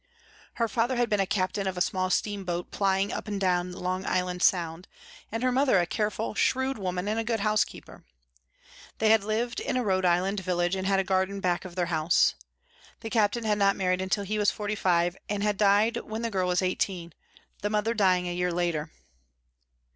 Her father had been a captain of a small steamboat plying up and down Long Island Sound and her mother a careful, shrewd woman and a good housekeeper. They had lived in a Rhode Island village and had a garden back of their house. The captain had not married until he was forty five and had died when the girl was eighteen, the mother dying a year later.